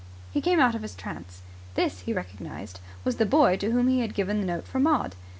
He came out of his trance. This, he recognized, was the boy to whom he had given the note for Maud.